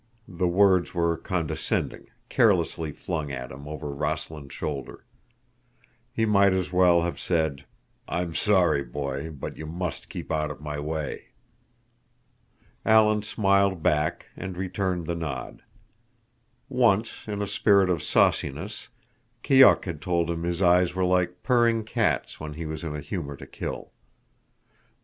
The words were condescending, carelessly flung at him over Rossland's shoulder. He might as well have said, "I'm sorry, Boy, but you must keep out of my way." Alan smiled back and returned the nod. Once, in a spirit of sauciness, Keok had told him his eyes were like purring cats when he was in a humor to kill.